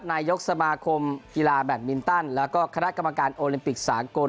นายกสมาคมกีฬาแบตมินตันแล้วก็คณะกรรมการโอลิมปิกสากล